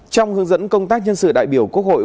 trong hướng dẫn công tác nhân sự đại biểu quốc hội